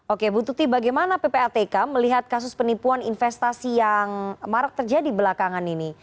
oke bu tuti bagaimana ppatk melihat kasus penipuan investasi yang marak terjadi belakangan ini